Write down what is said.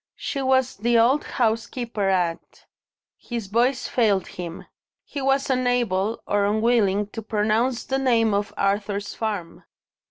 She was the old housekeeper at " His voice failed him. He was unable, or unwilling, to pronounce the name of Arthur's farm.